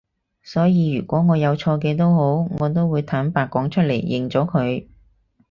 所以如果我有錯嘅都好我都會坦白講出嚟，認咗佢